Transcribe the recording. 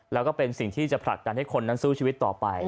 แล้วก็เป็นสิ่งที่จะผลักดันให้คนนั้นสู้ชีวิตต่อไป